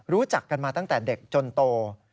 รู้จักกันมาตั้งแต่เด็กจนโต